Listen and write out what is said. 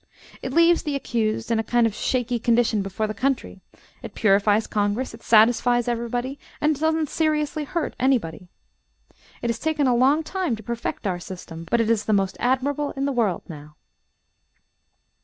It leaves the accused in a kind of a shaky condition before the country, it purifies Congress, it satisfies everybody, and it doesn't seriously hurt anybody. It has taken a long time to perfect our system, but it is the most admirable in the world, now."